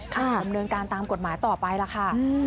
ดำเนินการตามกฎหมายต่อไปล่ะค่ะ